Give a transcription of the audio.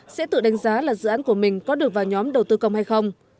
sẽ tự đánh giá là dự án của mình có được vào nhóm đầu tư công hay không